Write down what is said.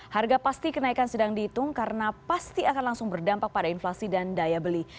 harga pasti kenaikan sedang dihitung karena pasti akan langsung berdampak pada inflasi dan daya beli